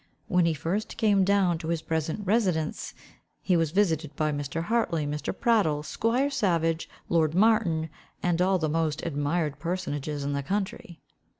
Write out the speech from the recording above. When he first came down to his present residence, he was visited by Mr. Hartley, Mr. Prattle, squire Savage, lord Martin, and all the most admired personages in the country.